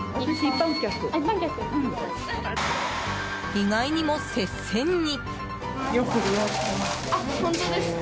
意外にも接戦に！